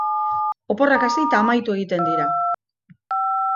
Oporrak hasi eta amaitu egiten dira.